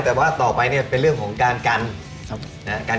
แต่ว่าต่อไปเนี่ยเป็นเรื่องของการกัน